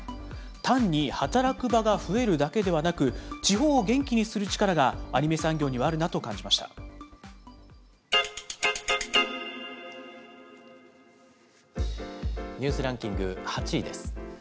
単に働く場が増えるだけではなく、地方を元気にする力がアニメ産業ニュースランキング８位です。